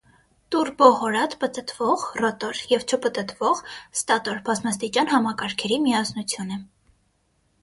Տուրբոհորատ պտտվող (ռոտոր) և չպտտվող (ստատոր) բազմաստիճան համակարգերի միասնություն է։